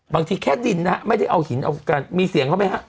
บางทีแค่ดินนะฮะไม่ได้เอาหินเอากันมีเสียงเขาไหมฮะ